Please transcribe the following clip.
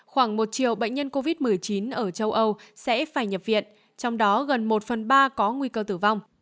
khoảng một triệu bệnh nhân covid một mươi chín ở châu âu sẽ phải nhập viện trong đó gần một phần ba có nguy cơ tử vong